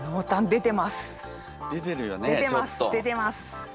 出てます。